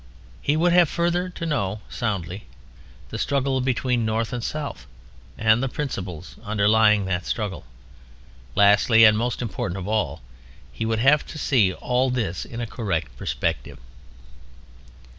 He would have further to know soundly the struggle between North and South, and the principles underlying that struggle. Lastly, and most important of all, he would have to see all this in a correct perspective.